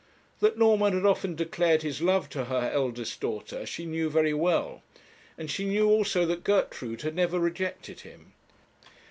That Norman had often declared his love to her eldest daughter she knew very well, and she knew also that Gertrude had never rejected him.